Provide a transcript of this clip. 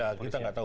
ya kita nggak tahu